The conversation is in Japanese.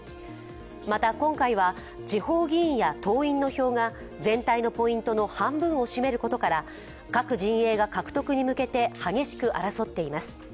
また、今回は地方議員や党員の票が全体のポイントの半分を占めることから各陣営が獲得に向けて激しく争っています。